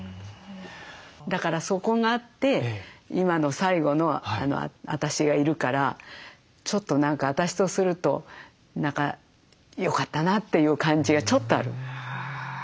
だからそこがあって今の最後の私がいるからちょっと何か私とすると何かよかったなという感じがちょっとある。